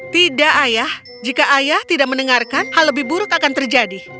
tidak ayah jika ayah tidak mendengarkan hal lebih buruk akan terjadi